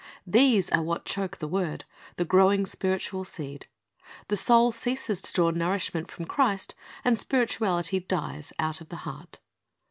These are what choke the word, the growing spiritual seed. The soul ceases to draw nourishment from Christ, and spirituality dies out of the heart.